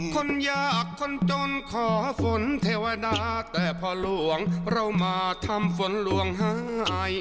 คนยากคนจนขอฝนเทวดาแต่พอหลวงเรามาทำฝนหลวงหาย